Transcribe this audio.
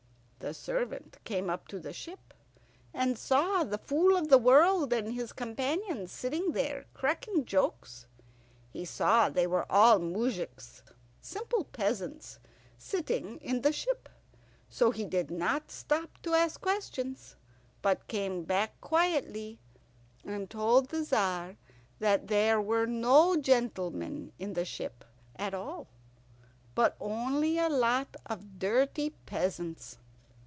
The servant came up to the ship, and saw the Fool of the World and his companions sitting there cracking jokes. He saw they were all moujiks, simple peasants, sitting in the ship; so he did not stop to ask questions, but came back quietly and told the Tzar that there were no gentlemen in the ship at all, but only a lot of dirty peasants.